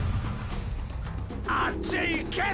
あっち行けッ！